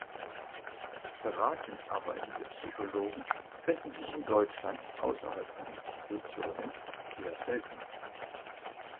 Beratend arbeitende Psychologen finden sich in Deutschland außerhalb von Institutionen eher selten.